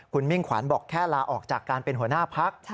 คุณมิ่งขวัญบอกแค่ลาออกจากการเป็นหัวหน้าพัก